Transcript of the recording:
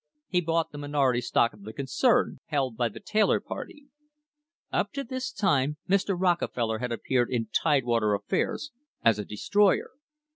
He bought the minority stock of the concern, held by the Taylor party. Up to this time Mr. Rockefeller had appeared in Tidewater affairs as a destroyer.